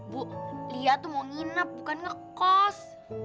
bu lia tuh mau nginep bukan ngekos